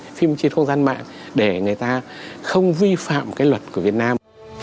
chúng ta phải đổi mới trên không gian mạng để người ta không vi phạm cái luật của việt nam